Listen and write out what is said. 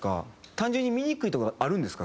単純に見にくいとかあるんですか？